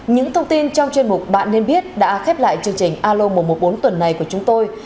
những thông tin trong chuyên mục bạn nên biết đã khép lại chương trình alo một trăm một mươi bốn tuần này của chúng tôi